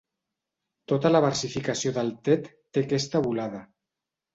Tota la versificació d'Altet té aquesta volada.